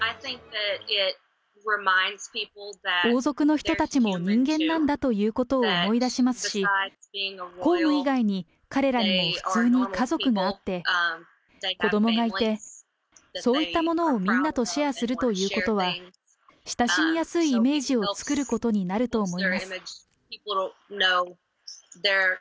王族の人たちも人間なんだということを思い出しますし、公務以外に彼らにも普通に家族があって、子どもがいて、そういったものをみんなとシェアするということは、親しみやすいイメージを作ることになると思います。